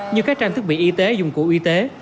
như các trang thiết bị y tế dụng cụ y tế